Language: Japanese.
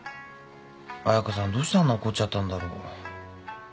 彩佳さんどうしてあんな怒っちゃったんだろう？